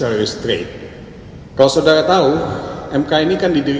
tadi teman teman dari termohon dan pihak terkait itu lebih bicara mengenai konstitusi